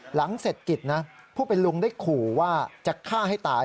หลังเสร็จกิจนะผู้เป็นลุงได้ขู่ว่าจะฆ่าให้ตาย